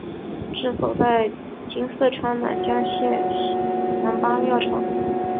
治所在今四川南江县南八庙场。